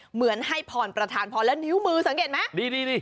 เหมือนให้พรประธานพรแล้วนิ้วมือสังเกตไหมดี